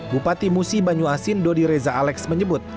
bupati musi banyuasin dodi reza alex menyebut